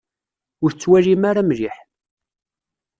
Ur tettwalim ara mliḥ.